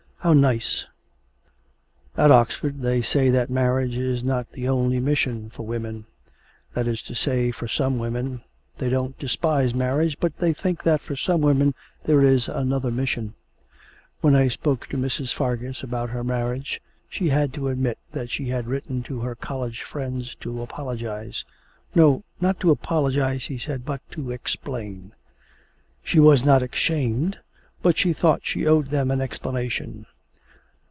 How nice! 'At Oxford they say that marriage is not the only mission for women that is to say, for some women. They don't despise marriage, but they think that for some women there is another mission. When I spoke to Mrs. Fargus about her marriage, she had to admit that she had written to her college friends to apologise no, not to apologise, she said, but to explain. She was not ashamed, but she thought she owed them an explanation.